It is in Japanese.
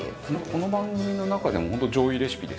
この番組の中でも本当上位レシピですよね。